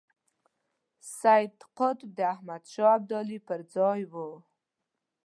سید قطب د احمد شاه ابدالي پر ځای وو.